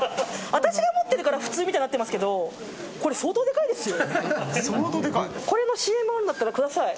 私が持ってるから普通みたいになってますけどこれ相当でかいですよ。